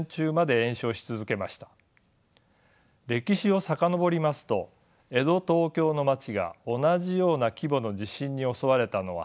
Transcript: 歴史を遡りますと江戸・東京の町が同じような規模の地震に襲われたのは初めてではありません。